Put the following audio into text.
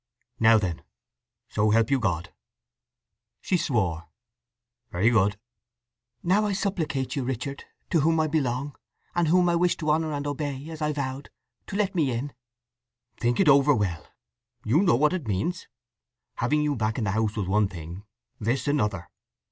"Now then: So help you God!" She swore. "Very good!" "Now I supplicate you, Richard, to whom I belong, and whom I wish to honour and obey, as I vowed, to let me in." "Think it over well. You know what it means. Having you back in the house was one thing—this another.